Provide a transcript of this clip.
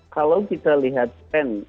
kalau kita lihat pen